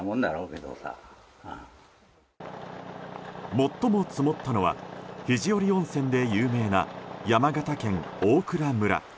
最も積もったのは肘折温泉で有名な山形県大蔵村。